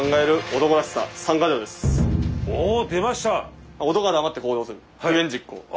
男は黙って行動する不言実行。